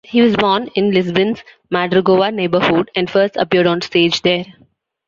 He was born in Lisbon's Madragoa neighborhood, and first appeared on stage there.